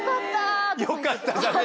よかったじゃねえ。